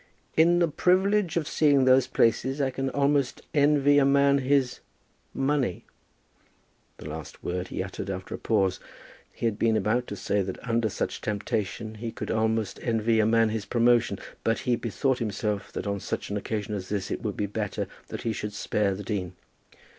"In the privilege of seeing those places I can almost envy a man his money." The last word he uttered after a pause. He had been about to say that under such temptation he could almost envy a man his promotion; but he bethought himself that on such an occasion as this it would be better that he should spare the dean.